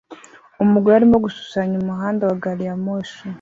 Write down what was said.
Umugore arimo gushushanya umuhanda wa gari ya moshi